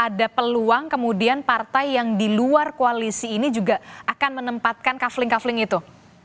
ada peluang kemudian partai yang di luar koalisi ini juga akan menempatkan kaveling kaveling itu